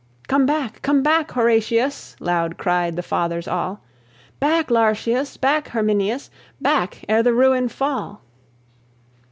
"Come back, come back, Horatius!" Loud cried the Fathers all. "Back, Lartius! Back, Herminius! Back, ere the ruin fall!"